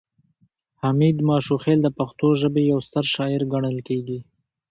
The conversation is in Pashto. حمید ماشوخیل د پښتو ژبې یو ستر شاعر ګڼل کیږي